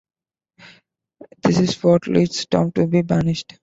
This is what leads Tom to be banished.